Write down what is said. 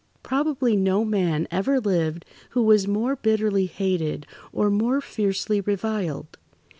Probably no man ever lived who was more bitterly hated or more fiercely reviled.